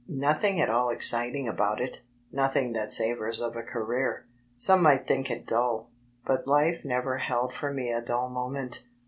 Nothing at all exciting about it, nothing that savours of a "career." Some might think it dull. But life never held for me a dull moment.